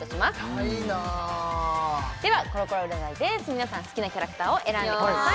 皆さん好きなキャラクターを選んでください